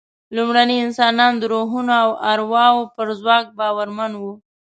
لومړني انسانان د روحونو او ارواوو پر ځواک باورمن وو.